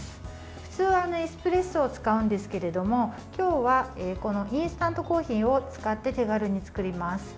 普通は、エスプレッソを使うんですけれども今日はインスタントコーヒーを使って手軽に作ります。